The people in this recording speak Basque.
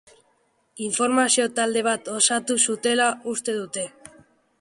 Informazio talde bat osatu zutela uste dute.